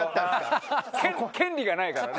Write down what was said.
権利がないからね！